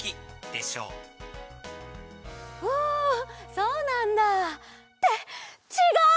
そうなんだ。ってちがう！